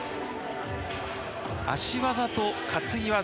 足技と担ぎ技。